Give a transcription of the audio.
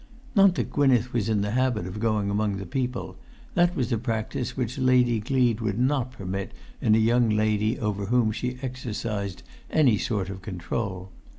Not that Gwynneth was in the habit of going among the people; that was a practice which Lady Gleed would not permit in a young lady over whom she exercised any sort of control.